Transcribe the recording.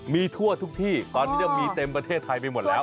มีทั่วทุกที่ตอนนี้จะมีเต็มประเทศไทยไปหมดแล้ว